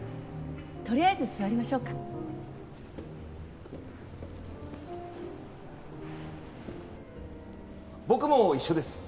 とりあえず座りましょうか僕も一緒です